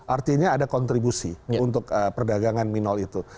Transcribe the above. artinya ada kontribusi untuk perdagangan minol itu